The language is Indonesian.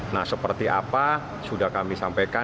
nah seperti apa sudah kami sampaikan